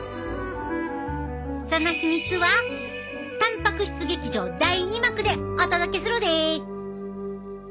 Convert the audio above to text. その秘密はたんぱく質劇場第二幕でお届けするで。